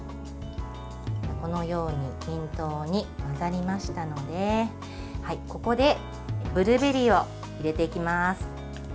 このように均等に混ざりましたのでここでブルーベリーを入れていきます。